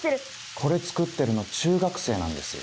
これ作ってるの中学生なんですよ。